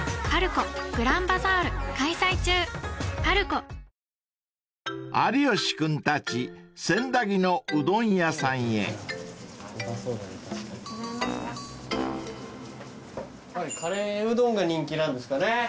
カレーうどんが人気なんですかね？